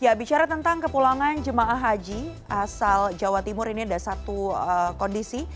ya bicara tentang kepulangan jemaah haji asal jawa timur ini ada satu kondisi